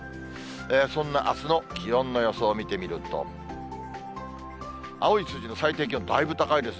そんなあすの気温の予想を見てみると、青い数字の最低気温、だいぶ高いです。